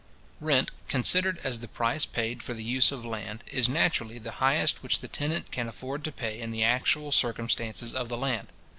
Rent, considered as the price paid for the use of land, is naturally the highest which the tenant can afford to pay in the actual circumstances of the land.